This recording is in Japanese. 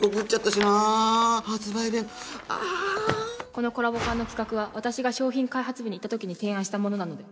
このコラボ缶の企画は私が商品開発部にいた時に提案したものなので。